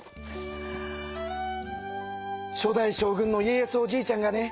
初代将軍の家康おじいちゃんがね